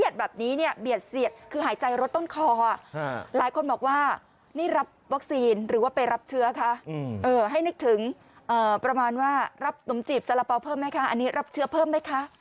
รับหนุ่มจีบสระเป๋าเพิ่มไหมคะอันนี้รับเชื้อเพิ่มไหมคะ